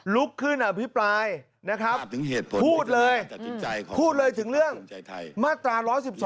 ลุกขึ้นอภิปรายนะครับพูดเลยพูดเลยถึงเรื่องมาตรา๑๑๒